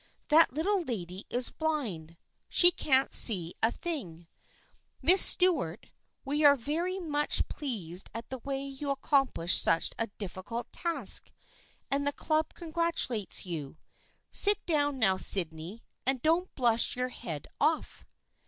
That little lady is blind. She can't see a thing. Miss Stuart, we are very much pleased at the way you accomplished such a difficult task and the Club congratulates you. Sit down now, Sydney, and don't blush your head off."